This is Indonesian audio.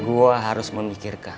gue harus memikirkan